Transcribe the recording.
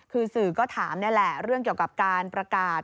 คือสื่อก็ถามนี่แหละเรื่องเกี่ยวกับการประกาศ